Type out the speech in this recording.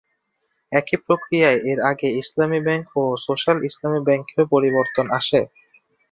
একই প্রক্রিয়ায় এর আগে ইসলামী ব্যাংক ও সোস্যাল ইসলামী ব্যাংকেও পরিবর্তন আসে।